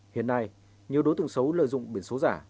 hiện nay nhiều đối tượng xấu lợi dụng biển số giả